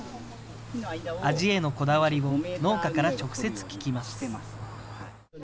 味へのこだわりを農家から直接聞きます。